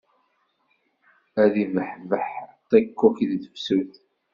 Ad ibbeḥbeḥ ṭikkuk di tefsut.